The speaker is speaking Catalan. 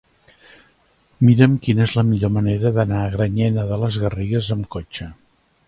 Mira'm quina és la millor manera d'anar a Granyena de les Garrigues amb cotxe.